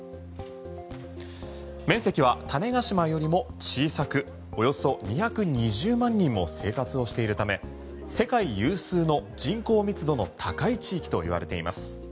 面積は種子島よりも小さくおよそ２２０万人も生活をしているため世界有数の人口密度の高い地域といわれています。